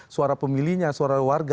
suara pemilihnya suara warga